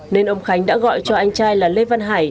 nên ông khánh đã gọi cho anh trai là lê văn hải